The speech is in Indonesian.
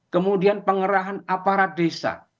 kemudian pengerahan aparat desa